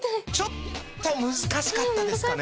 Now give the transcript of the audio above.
ちょっと難しかったですかね。